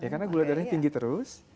karena gula darahnya tinggi terus